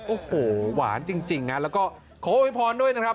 โอ้โหหวานจริงนะแล้วก็ขอโวยพรด้วยนะครับ